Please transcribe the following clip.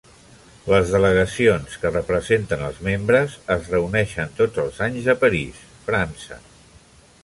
Els delegacions que representen els membres es reuneixen tots els anys a París, França.